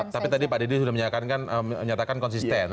tapi tadi pak dedy sudah menyatakan konsisten